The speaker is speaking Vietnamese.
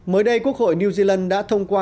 mới đây quốc hội new zealand đã thông báo rằng